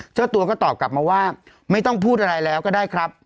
เจ้าตัวก็ตอบกลับมาว่าไม่ต้องพูดอะไรแล้วก็ได้ครับ